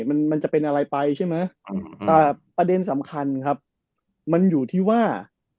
มันมันจะเป็นอะไรไปใช่ไหมแต่ประเด็นสำคัญครับมันอยู่ที่ว่า